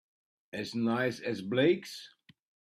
As nice as Blake's?